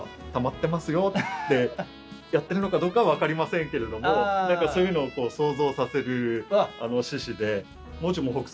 よってやってるのかどうかは分かりませんけれども何かそういうのを想像させる獅子で。